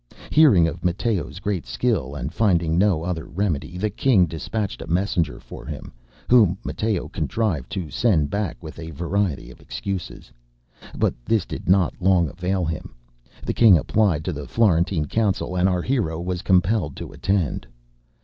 Hearing of MatteoŌĆÖs great skill, and finding no other remedy, the king dispatched a messenger for him, whom Matteo contrived to send back with a variety of excuses. But this did not long avail him; the king applied to the Florentine council, and our hero was compelled to attend.